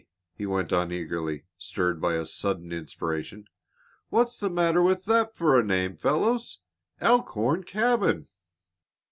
he went on eagerly, stirred by sudden inspiration, "what's the matter with that for a name, fellows Elkhorn Cabin?"